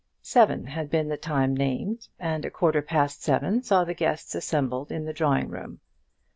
Seven had been the time named, and a quarter past seven saw the guests assembled in the drawing room.